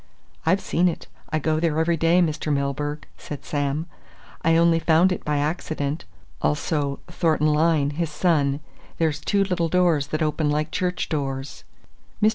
I've seen it I go there every day, Mr. Milburgh," said Sam. "I only found it by accident. 'Also Thornton Lyne, his son.' There's two little doors that open like church doors." Mr.